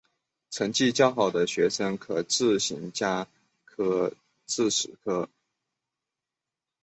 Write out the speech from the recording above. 成绩较好学生可自行加科至十科。